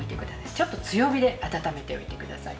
ちょっと強火で温めておいてください。